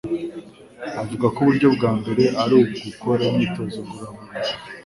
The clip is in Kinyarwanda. avuga ko uburyo bwa mbere ari ugukora imyitozo ngororamubiri,